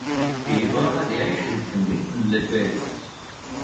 Yebɣa ad iɛic deg temdint n Lpari.